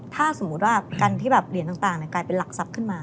ถ้าสมมุติว่ากันที่แบบเหรียญต่างกลายเป็นหลักทรัพย์ขึ้นมา